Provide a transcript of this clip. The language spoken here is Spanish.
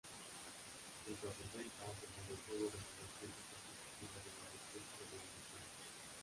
Junto a sus ventas, el videojuego recibió críticas positivas de varios críticos de videojuegos.